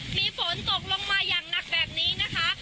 มีฝนตกลงมาอย่างหนักแบบนี้นะคะ